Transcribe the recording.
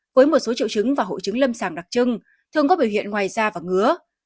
với một số triệu chứng và hội chứng lâm sàng đặc trưng thường có biểu hiện ngoài da và ngứa